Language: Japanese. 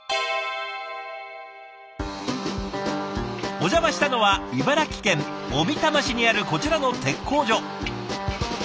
お邪魔したのは茨城県小美玉市にあるこちらの鉄工所。